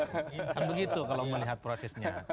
dan begitu kalau melihat prosesnya